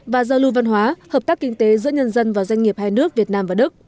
và giao lưu văn hóa hợp tác kinh tế giữa nhân dân và doanh nghiệp hai nước việt nam và đức